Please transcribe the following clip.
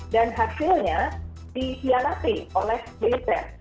dan hasilnya dikhianati oleh militer